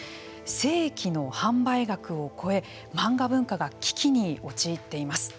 正規の販売額を超え漫画文化が危機に陥っています。